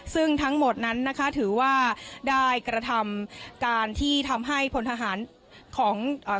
ซึ่งทั้งหมดนั้นนะคะถือว่าได้กระทำการที่ทำให้พลทหารของอ่า